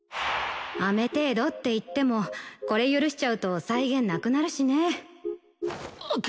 アメ程度っていってもこれ許しちゃうと際限なくなるしね。